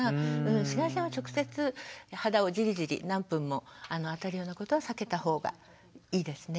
紫外線は直接肌をじりじり何分も当てるようなことは避けた方がいいですね。